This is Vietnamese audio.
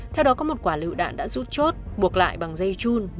theo đó có một quả lựu đạn đã rút chốt buộc lại bằng dây chun